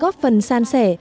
góp phần san sẻ